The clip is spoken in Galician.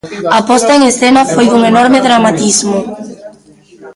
A posta en escena foi dun enorme dramatismo.